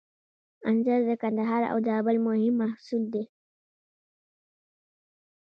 انځر د کندهار او زابل مهم محصول دی